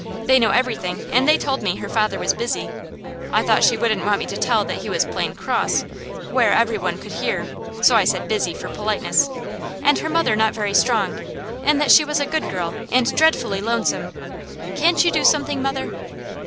They know everything and they told me her father was busy" I thought she wouldn't want me to tell that he was plain CROSS, where every one could hear, so I said "busy" for politeness "and her mother not very strong, and that she was a good girl, and dreadfully lonesome. Can't you do something, mother?"